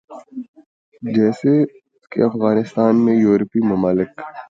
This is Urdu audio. جیسے کے افغانستان میں یورپی ممالک